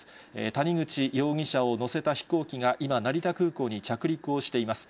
谷口容疑者を乗せた飛行機が、今、成田空港に着陸をしています。